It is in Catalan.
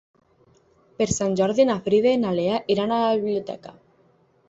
Per Sant Jordi na Frida i na Lea iran a la biblioteca.